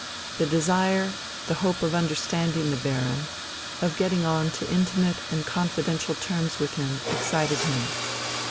The desire, the hope of understanding the Baron, of getting on to intimate and confidential terms with him, excited him.